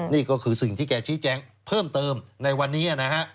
นี่ก็คือสิ่งที่แกชี้แจงเพิ่มเติมในวันนี้นะฮะ